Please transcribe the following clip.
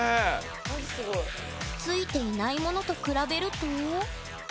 ついていないものと比べると。